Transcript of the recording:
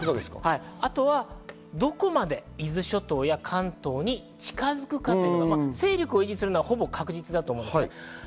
あとはどこまで伊豆諸島や関東に近づくか、勢力を維持するのは、ほぼ確実だと思います。